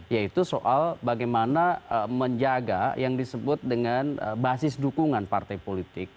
yaitu soal bagaimana menjaga yang disebut dengan basis dukungan partai politik